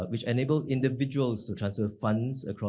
yang memungkinkan individu untuk memindahkan dana